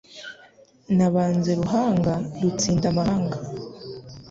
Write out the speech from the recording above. Nabanze Ruhanga rutsinda amahanga,